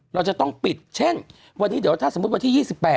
เราจะต้องปิดเช่นวันนี้เดี๋ยวถ้าสมมุติวันที่๒๘